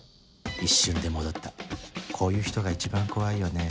一瞬で戻ったこういう人が一番怖いよね